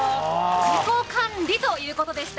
自己管理ということでした。